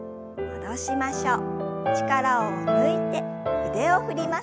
戻しましょう。